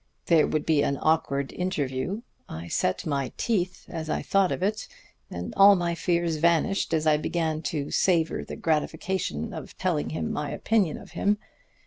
There would be an awkward interview I set my teeth as I thought of it, and all my fears vanished as I began to savor the gratification of telling him my opinion of him.